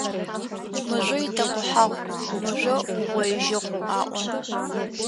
«Мыжъо итэкъухьагъу, мыжъо угъоижьыгъу…»,- аӏо.